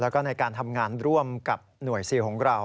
แล้วก็ในการทำงานร่วมกับหน่วยซิลของเรา